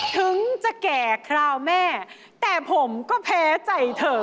ถึงจะแก่คราวแม่แต่ผมก็แพ้ใจเธอ